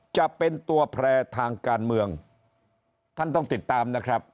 จะเป็นตัวแพร่ทางการเมืองท่านต้องติดตามนะครับ